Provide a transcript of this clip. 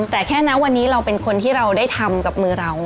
แต่แค่นะวันนี้เราเป็นคนที่เราได้ทำกับมือเรา